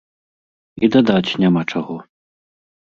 І дадаць няма чаго!